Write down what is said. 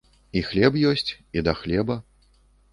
І хлеб ёсць, і да хлеба.